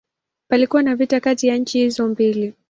Palikuwa na vita kati ya nchi hizo mbili.